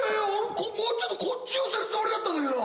もうちょっとこっち寄せるつもりだったんだけど。